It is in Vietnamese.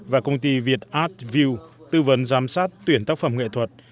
và công ty việt art view tư vấn giám sát tuyển tác phẩm nghệ thuật